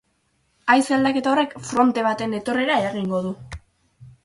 Haize aldaketa horrek fronte baten etorrera eragingo du.